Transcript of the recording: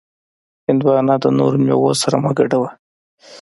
هندوانه د نورو میوو سره مه ګډوه.